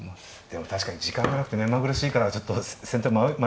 でも確かに時間がなくて目まぐるしいからちょっと先手迷っちゃいますねこれね。